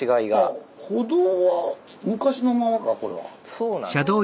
そうなんですよね。